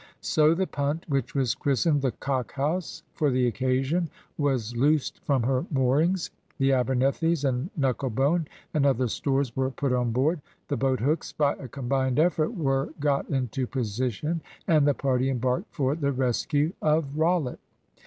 So the punt, which was christened the "Cock house" for the occasion, was loosed from her moorings, the Abernethys and knuckle bone and other stores were put on board, the boat hooks, by a combined effort, were got into position, and the party embarked for the rescue of Rollitt.